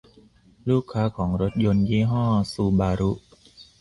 ลูกค้าของรถยนต์ยี่ห้อซูบารุ